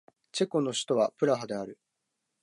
チェコの首都はプラハである